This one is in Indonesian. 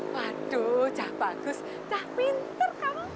waduh cah bagus cah pintar kamu